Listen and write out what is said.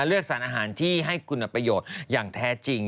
เลือกสารอาหารที่ให้คุณประโยชน์อย่างแท้จริง